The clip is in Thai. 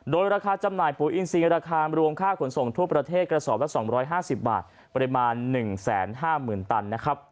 โดยราคาจำหน่ายปุ๋ยอินซีราคารวมค่าขนส่งทั่วประเทศกระสอบละ๒๕๐บาทปริมาณ๑๕๐๐๐ตันนะครับ